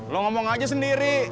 lu ngomong aja sendiri